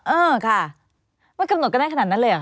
เออค่ะมันกำหนดกันได้ขนาดนั้นเลยเหรอ